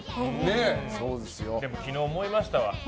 昨日、思いましたわ。